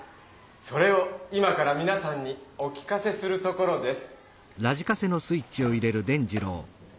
それを今からみなさんにお聴かせするところです。